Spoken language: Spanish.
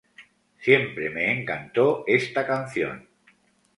Siempre me encantó esta canción.